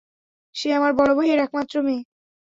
সে আমার বড় ভাইয়ের একমাত্র মেয়ে।